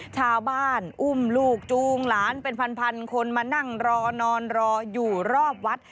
ชาวบ้านอุ้มลูกจูงหลานเป็นพันคนมานั่งรอนอนรออยู่รอบวัด